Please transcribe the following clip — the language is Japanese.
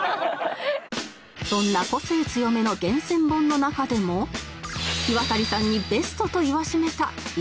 そんな個性強めの厳選本の中でもひわたりさんにベストと言わしめた一冊が